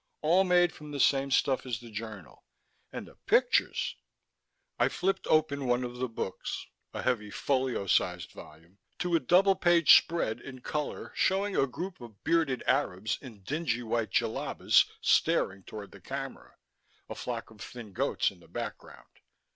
"All made from the same stuff as the journal. And the pictures...." I flipped open one of the books, a heavy folio sized volume, to a double page spread in color showing a group of bearded Arabs in dingy white djellabas staring toward the camera, a flock of thin goats in the background.